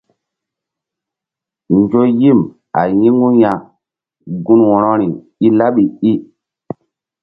Nzo yim a yi̧ŋu ya gun wo̧rori i laɓi i.